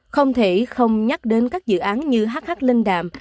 không thể không nhắc đến các dự án như hh linh đàm